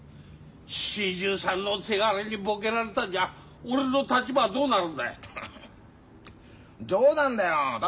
４３のせがれにボケられたんじゃ俺の立場はどうなるんだい。